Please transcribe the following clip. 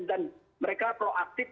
dan mereka proaktif